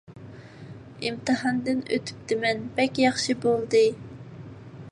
ئىمتىھاندىن ئۆتۈپتىمەن، بەك ياخشى بولدى!